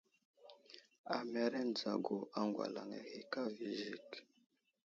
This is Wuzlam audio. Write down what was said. Amereŋ dzagu aŋgwalaŋ ahe kava i zik.